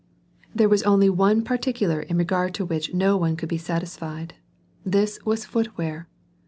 There was only one particular in regard to which no one could be satisfied; this was foot wear.